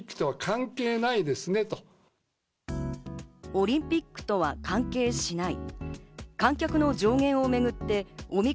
オリンピックとは関係しない。